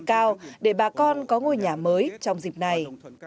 cao để bà con có ngôi nhà mới trong dịp này